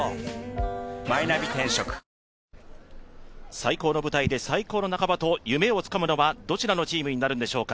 最高の舞台で最高の仲間と夢をつかむのはどちらのチームになるのでしょうか。